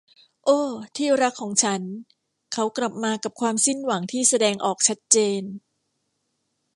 โอ้ ที่รักของฉัน เขากลับมากับความสิ้นหวังที่แสดงออกชัดเจน